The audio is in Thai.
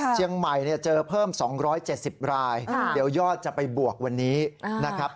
เชียงใหม่เจอเพิ่ม๒๗๐รายเดี๋ยวยอดจะไปบวกวันนี้นะครับ